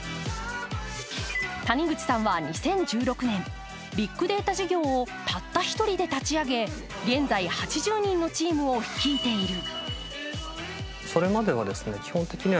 Ｙａｈｏｏ！谷口さんは、２０１６年、ビッグデータ事業をたった１人で立ち上げ、現在８０人のチームを率いている。